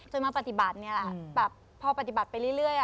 จนกว่าปฏิบัตินี่พอปฏิบัติไปเรื่อย